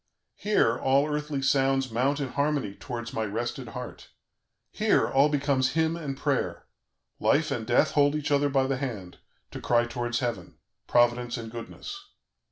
"Here, all earthly sounds mount in harmony towards my rested heart; here, all becomes hymn and prayer; Life and Death hold each other by the hand, to cry towards heaven: Providence and Goodness.